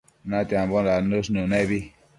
natiambo dannësh nënebi